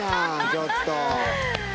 ちょっと。